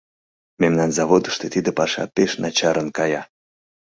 Мемнан заводышто тиде паша пеш начарын кая.